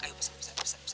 ayo pesan pesan pesan